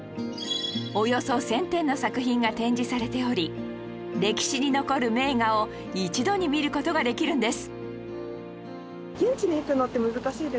およそ１０００点の作品が展示されており歴史の残る名画を一度に見る事ができるんです